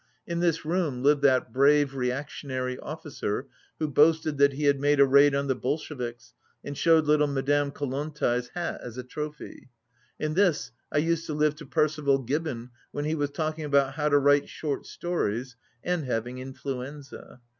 In this room lived that brave reactionary officer who boasted that he had made a raid on the Bolsheviks and showed little Ma dame Kollontai's hat as a trophy. In this I used to listen to Perceval Gibbon when he was talking about ihow to write short stories and having in fluenza.